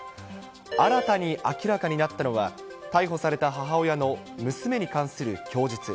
新たに明らかになったのは、逮捕された母親の娘に関する供述。